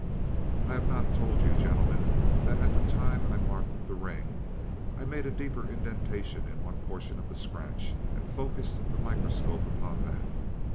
"I have not told you, gentlemen, that at the time I marked the ring I made a deeper indentation in one portion of the scratch and focused the microscope upon that.